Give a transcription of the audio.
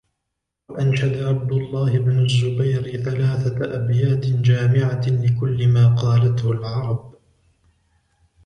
وَأَنْشَدَ عَبْدُ اللَّهِ بْنُ الزُّبَيْرِ ثَلَاثَةَ أَبْيَاتٍ جَامِعَةً لِكُلِّ مَا قَالَتْهُ الْعَرَبُ